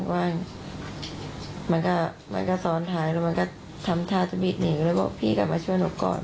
มันก็มันก็ซ้อนท้ายแล้วมันก็ทำท่าจะบิดหนีก็เลยบอกพี่กลับมาช่วยหนูก่อน